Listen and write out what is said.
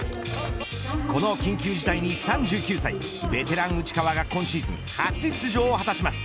この緊急事態に、３９歳ベテラン内川が今シーズン初出場を果たします。